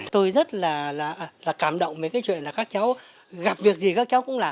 tôi rất là cảm động với cái chuyện là các cháu gặp việc gì các cháu cũng làm